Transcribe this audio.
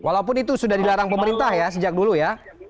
walaupun itu sudah dilarang pemerintah ya sejak dulu ya